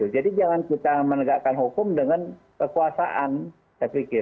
jangan kita menegakkan hukum dengan kekuasaan saya pikir